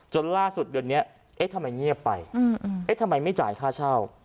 ล่าสุดเดือนนี้เอ๊ะทำไมเงียบไปเอ๊ะทำไมไม่จ่ายค่าเช่า